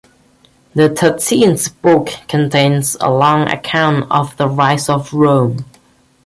The thirteenth book contains a long account of the rise of Rome.